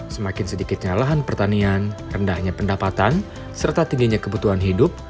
semakin sedikitnya lahan pertanian rendahnya pendapatan serta tingginya kebutuhan hidup